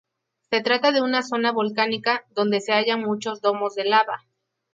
Se trata de una zona volcánica donde se hallan muchos domos de lava.